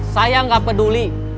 saya gak peduli